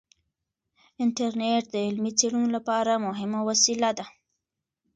انټرنیټ د علمي څیړنو لپاره مهمه وسیله ده.